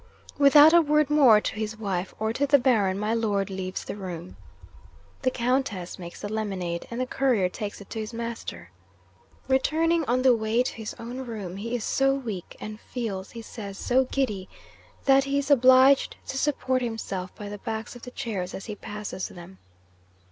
'Without a word more to his wife, or to the Baron, my Lord leaves the room. 'The Countess makes the lemonade, and the Courier takes it to his master. 'Returning, on the way to his own room, he is so weak, and feels, he says, so giddy, that he is obliged to support himself by the backs of the chairs as he passes them.